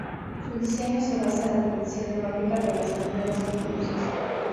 Su diseño se basa en la tradición nórdica de las banderas con cruces.